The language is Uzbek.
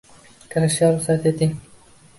Kirishga ruxsat eting